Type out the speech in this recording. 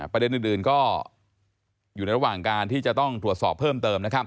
ประเด็นอื่นก็อยู่ในระหว่างการที่จะต้องตรวจสอบเพิ่มเติมนะครับ